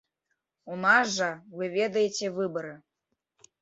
У нас жа, вы ведаеце, выбары.